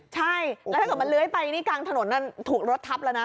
ใช่แล้วถ้าเกิดมันเลื้อยไปนี่กลางถนนถูกรถทับแล้วนะ